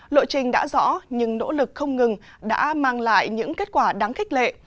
lộ trình đã rõ nhưng nỗ lực không ngừng đã mang lại những kết quả đáng khích lệ